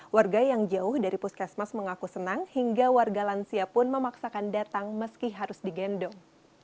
warga yang jauh dari puskesmas mengaku senang hingga warga lansia pun memaksakan datang meski harus digendong